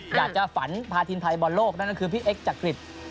อยากจะฝันพาทีมไทยบอลโลกนั่นก็คือพี่เอ็กจักริต